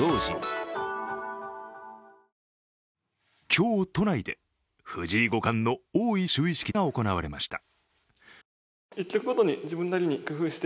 今日、都内で藤井５冠の王位就位式が行われました。